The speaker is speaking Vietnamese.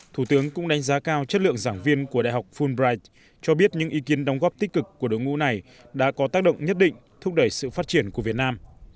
thủ tướng cũng đánh giá cao chất lượng giảng viên của đại học fulbright cho biết những ý kiến đóng góp tích cực của đội ngũ này đã có tác động nhất định thúc đẩy sự phát triển của việt nam